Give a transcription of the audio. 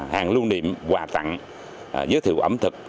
hàng lưu niệm quà tặng giới thiệu ẩm thực